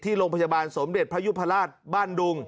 โรงพยาบาลสมเด็จพระยุพราชบ้านดุง